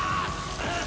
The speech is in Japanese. うっ！